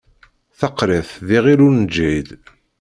Takriṭ d iɣil ur neǧhid.